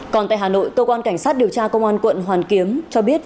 còn tại hà nội cơ quan cảnh sát điều tra công an quận hoàn kiếm cho biết